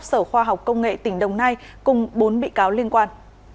sở khoa học công nghệ tỉnh đồng nai cùng bốn bị cáo liên quan